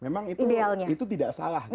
memang itu tidak salah